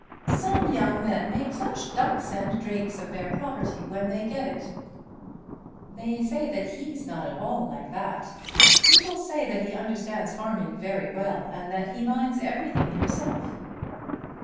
"Some young men make such ducks and drakes of their property when they get it." "They say that he's not like that at all. People say that he understands farming very well and that he minds everything himself."